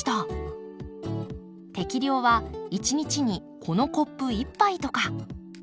適量は１日にこのコップ１杯とか。